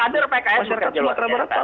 ada pks masyarakat jawa tenggara merata